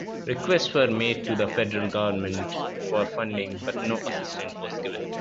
Requests were made to the Federal Government for funding but no assistance was given.